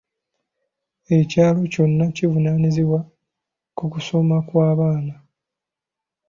Ekyalo kyonna kivunaanyizibwa ku kusoma kw'abaana.